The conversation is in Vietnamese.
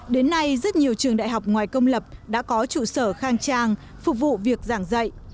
đến nay rất nhiều trường đại học ngoài công lập đã có trụ sở khang trang phục vụ việc giảng dạy